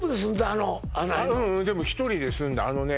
あのううんでも一人で住んだあのね